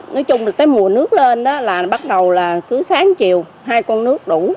nói chung là cái mùa nước lên đó là bắt đầu là cứ sáng chiều hai con nước đủ